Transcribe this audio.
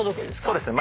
そうです。